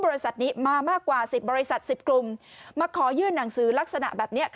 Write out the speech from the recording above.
บริษัทนี้มามากกว่าสิบบริษัทสิบกลุ่มมาขอยื่นหนังสือลักษณะแบบเนี้ย